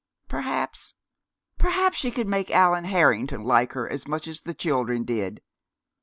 Perhaps perhaps she could make Allan Harrington like her as much as the children did.